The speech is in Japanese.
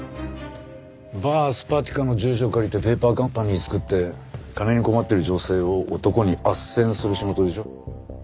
ＢＡＲＳｐｈａｔｉｋａの住所を借りてペーパーカンパニー作って金に困っている女性を男に斡旋する仕事でしょ。